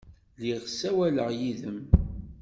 Lliɣ ssawaleɣ yid-m.